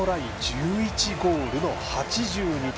１１ゴールの８２点。